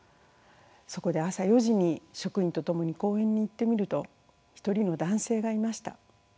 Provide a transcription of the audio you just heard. そこで朝４時に職員と共に公園に行ってみると一人の男性がいました。